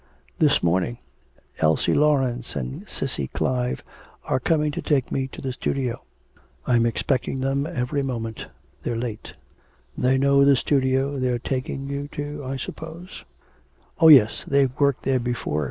'This morning. Elsie Laurence and Cissy Clive are coming to take me to the studio. I'm expecting them every moment. They're late.' 'They know the studio they're taking you to, I suppose?' 'Oh yes, they've worked there before...